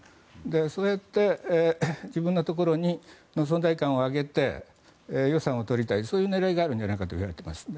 そうやって自分のところの存在感を上げて予算を上げたいそういう狙いがあるんじゃないかとみられます。